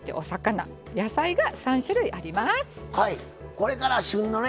これから旬のね